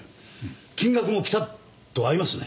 金額もピタッと合いますね。